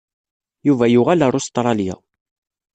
Yuba yuɣal ar Ustṛalya.